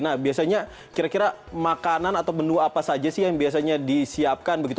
nah biasanya kira kira makanan atau menu apa saja sih yang biasanya disiapkan begitu